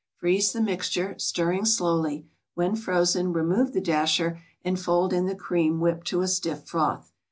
Freeze the mixture, stirring slowly; when frozen, remove the dasher, and fold in the cream whipped to a stiff froth.